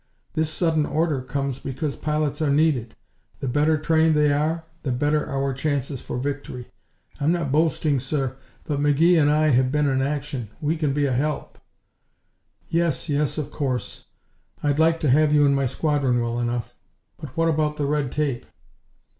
This sudden order comes because pilots are needed. The better trained they are, the better our chances for victory. I'm not boasting, sir, but McGee and I have been in action. We can be a help." "Yes, yes. Of course. I'd like to have you in my squadron, well enough, but what about the red tape?"